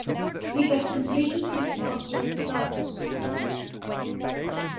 He has completed his Master of Science.